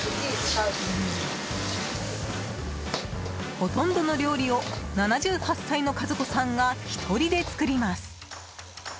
ほとんどの料理を７８歳の和子さんが１人で作ります。